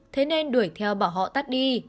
thế nên đuổi theo bảo họ tắt đi